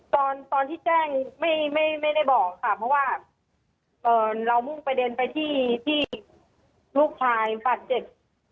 ตอนที่แจ้งไม่ได้บอกค่ะเพราะว่าเรามุ่งประเด็นไปที่ลูกชายบาดเจ็บ